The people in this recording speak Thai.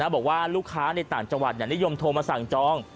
บอกว่าลูกค้าในต่างจังหวัดนิยมโทรมาสั่งจอง